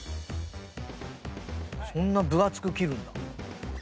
そんな分厚く切るんだ。